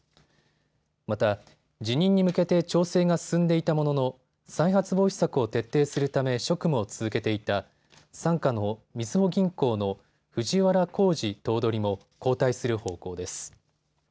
また、辞任に向けて調整が進んでいたものの再発防止策を徹底するため職務を続けていた傘下のみずほ銀行の藤原弘治頭取も交代する方向です。